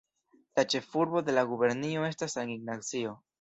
La ĉefurbo de la gubernio estas San Ignacio.